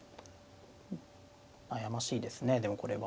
悩ましいですねでもこれは。